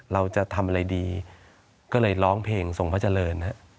เราจะทำอะไรดี